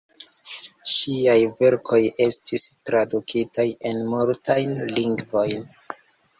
Ŝiaj verkoj estis tradukitaj en multajn lingvojn.